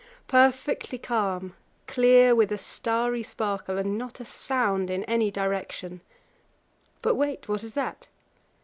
Perfectly calm, clear with a starry sparkle, and not a sound in any direction. But wait: what is that?